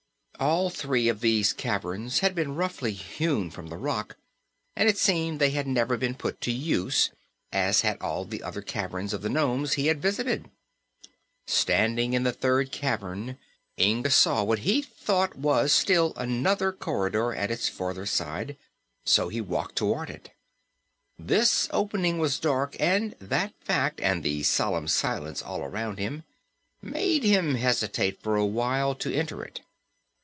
All three of these caverns had been roughly hewn from the rock and it seemed they had never been put to use, as had all the other caverns of the nomes he had visited. Standing in the third cavern, Inga saw what he thought was still another corridor at its farther side, so he walked toward it. This opening was dark, and that fact, and the solemn silence all around him, made him hesitate for a while to enter it.